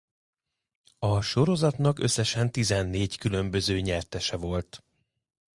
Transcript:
A sorozatnak összesen tizennégy különbözőnyertese volt.